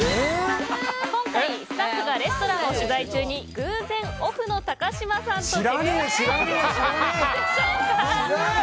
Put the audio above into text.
今回、スタッフがレストランを取材中に偶然、オフの高嶋さんと会ったお店はどこでしょうか。